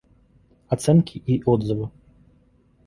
Оценки и отзывы